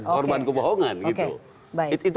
korban kebohongan itu